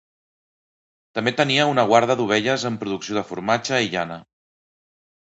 També tenia una guarda d'ovelles amb producció de formatge i llana.